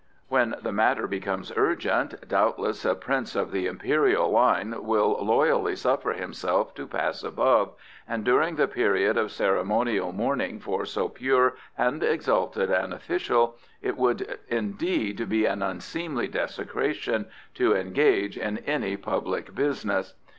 When the matter becomes urgent, doubtless a prince of the Imperial line will loyally suffer himself to Pass Above, and during the period of ceremonial mourning for so pure and exalted an official it would indeed be an unseemly desecration to engage in any public business.